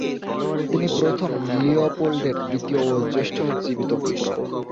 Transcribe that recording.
তিনি প্রথম লিওপোল্ডের দ্বিতীয় ও জ্যেষ্ঠ জীবিত পুত্র।